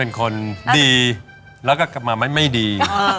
เป็นคนดีแล้วก็กลับมาไม่ดี